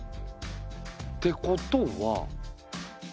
てことは。